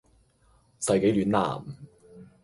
世紀暖男